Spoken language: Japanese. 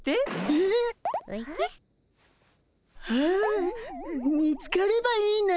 えっ！あ見つかればいいなって。